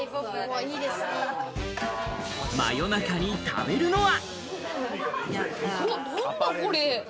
真夜中に食べるのは？